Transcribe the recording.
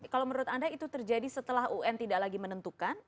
kalau menurut anda itu terjadi setelah un tidak lagi menentukan